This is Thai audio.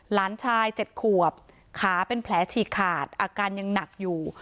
หลานชาย๗ขวบขาเป็นแผลฉีกขาดอาการยังหนักอยู่